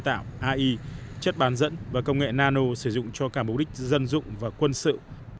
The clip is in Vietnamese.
các công ty có thể tạo ra những nguồn tin tạo ai chất bán dẫn và công nghệ nano sử dụng cho cả mục đích dân dụng và quân sự